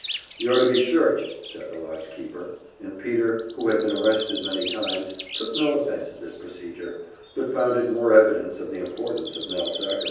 "You're to be searched," said the lodge keeper; and Peter, who had been arrested many times, took no offense at this procedure, but found it one more evidence of the importance of Nelse Ackerman.